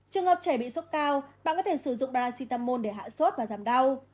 trường hợp trẻ bị sốt cao bạn có thể sử dụng racitamol để hạ sốt và giảm đau